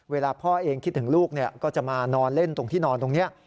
เวลาพ่อเองคิดถึงลูกก็จะมานอนเล่นตรงที่นอนตรงนี้